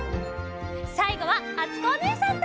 さいごはあつこおねえさんと！